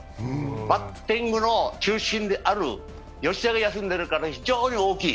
バッティングの中心の吉田が休んでるから非常に大きい。